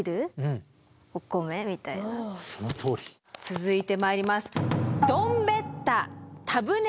続いて参ります。